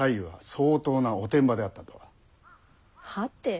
はて？